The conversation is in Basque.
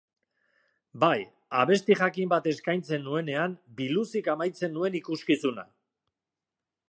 Bai, abesti jakin bat eskaintzen nuenean biluzik amaitzen nuen ikuskizuna.